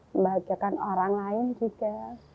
membahagiakan orang lain juga